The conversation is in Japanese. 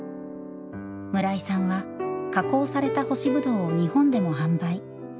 村井さんは加工された干しぶどうを日本でも販売。